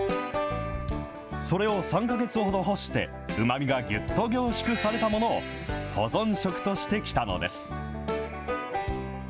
それを３か月ほど干して、うまみがぎゅっと凝縮されたものを保存食としてきたのです。